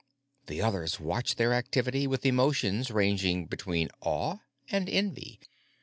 The others watched their activity with emotions ranging between awe and envy.